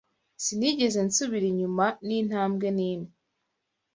Sinigeze nsubira inyuma n’intambwe n’imwe